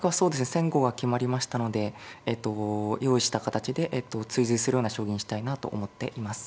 先後が決まりましたのでえと用意した形で追随するような将棋にしたいなと思っています。